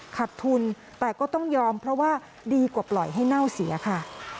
ขัดทุนแต่ก็ต้องยอมเพราะว่าดีกว่าปล่อยให้เน่าเสียค่ะ